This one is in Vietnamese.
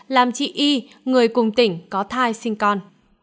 làm chị y người cùng tỉnh có thai sinh con